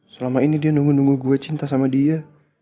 selama ini dia nunggu nunggu gue cinta sama dia